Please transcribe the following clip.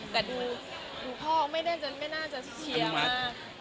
แต่ดูพ่อไม่แน่นานจะเชียร์